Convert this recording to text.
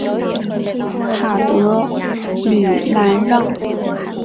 塔德吕兰让。